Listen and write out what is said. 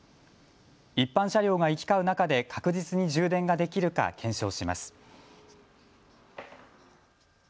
一般車両が行き交う中で確実に充電ができるか検証します。